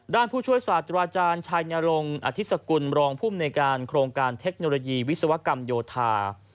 ผู้ช่วยศาสตราอาจารย์ชัยนรงค์อธิสกุลรองภูมิในการโครงการเทคโนโลยีวิศวกรรมโยธา